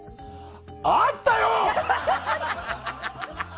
あったよ！